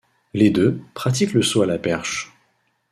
Les deux pratiquent le saut à la perche.